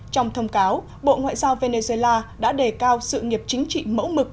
trong thông cáo bộ ngoại giao venezuela đã đề cao sự nghiệp chính trị mẫu mực